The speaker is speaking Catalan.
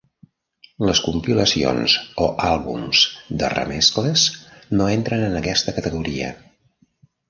Les compilacions o àlbums de remescles no entren en aquesta categoria.